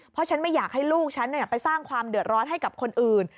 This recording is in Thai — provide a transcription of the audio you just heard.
เพราะฉันไม่อยากให้ลูกฉันไปสร้างความเดือดร้อนให้กับคนอื่น